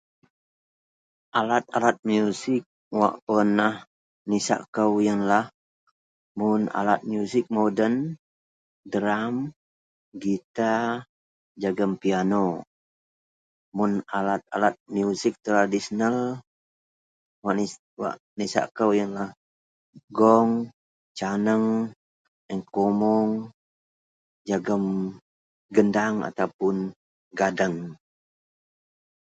Alat-alat musik wak pernah nisakkou yenlah, mun alat musik moden drum, guitar jegem piano, mun alat-alat musik tradisional wak nisakkou yenlah gong, canang, engkromong jagem hendang ataupun gadeng.